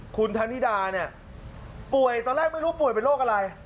คุณธนิดาเนี่ยป่วยตอนแรกไม่รู้ป่วยเป็นโรคอะไร